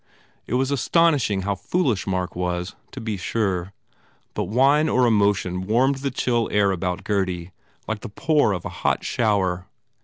It was astonishing how foolish Mark was, to be sure. But wine or emo tion warmed the chill air about Gurdy like the pour of a hot shower.